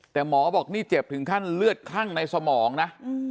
แต่หมอบอกนี่เจ็บถึงขั้นเลือดคลั่งในสมองนะ